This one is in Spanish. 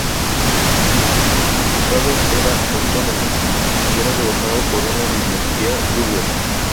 El principado era autónomo y era gobernado por una dinastía búlgara.